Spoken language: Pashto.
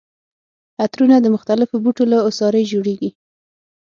عطرونه د مختلفو بوټو له عصارې جوړیږي.